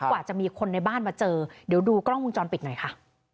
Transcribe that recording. กว่าจะมีคนในบ้านมาเจอเดี๋ยวดูกล้องวงจรปิดหน่อยค่ะ